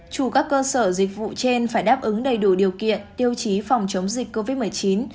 chủ các cơ sở dịch vụ trên phải đáp ứng đầy đủ điều kiện tiêu chí phòng chống dịch covid một mươi chín